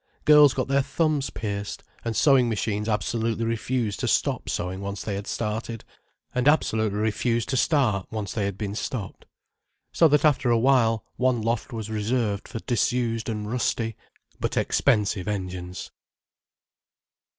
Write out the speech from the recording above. Girls got their thumbs pierced, and sewing machines absolutely refused to stop sewing, once they had started, and absolutely refused to start, once they had stopped. So that after a while, one loft was reserved for disused and rusty, but expensive engines.